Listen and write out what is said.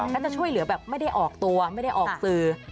แล้วจะช่วยเหลือแบบไม่ได้ออกตัวไม่ได้ออกสื่อ